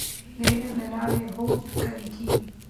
د علم له لارې هوډ قوي کیږي.